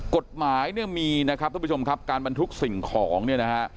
กฎหมายเนี่ยมีนะครับทุกผู้ชมครับการบรรทุกสิ่งของเนี่ยนะฮะ